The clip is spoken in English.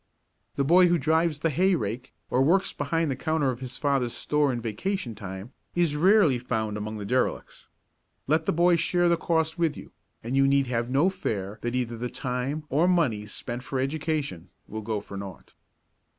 The boy who drives the hay rake or works behind the counter of his father's store in vacation time is rarely found among the derelicts. Let the boy share the cost with you, and you need have no fear that either the time or money spent for education will go for naught.